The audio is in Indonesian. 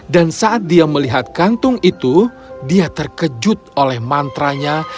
saat dia melihat kantung itu dia terkejut oleh mantranya